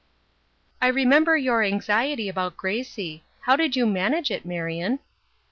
" I remember your anxiety about Gracie. How did you manage it, Marion ?